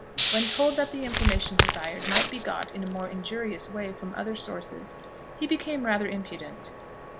When told that the information desired might be got in a more injurious way from other sources, he became rather impudent.